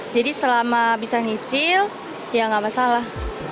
jadi selama bisa nyicil ya nggak masalah